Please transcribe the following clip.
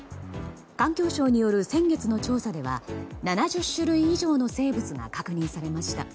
環境省による先月の調査では７０種類以上の生物が確認されました。